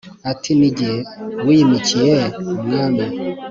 ati ni jye wiyimikiye umwami